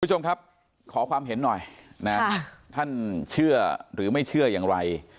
คุณผู้ชมครับขอความเห็นหน่อยนะท่านเชื่อหรือไม่เชื่ออย่างไร